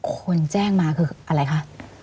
คนแจ้งมาคืออะไรคะ